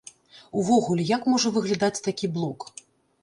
Увогуле, як можа выглядаць такі блок?